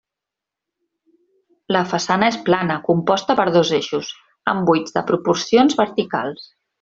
La façana és plana, composta per dos eixos, amb buits de proporcions verticals.